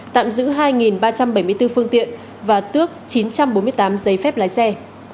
tạm giữ hai ba trăm bảy mươi bốn phương tiện và tước chín trăm bốn mươi tám giấy phép lái xe